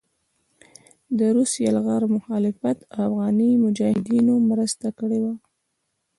د روسي يلغار مخالفت او افغاني مجاهدينو مرسته کړې وه